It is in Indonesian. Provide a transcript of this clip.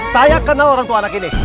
saya kenal orang tua anak ini